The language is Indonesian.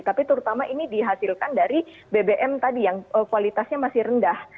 tapi terutama ini dihasilkan dari bbm tadi yang kualitasnya masih rendah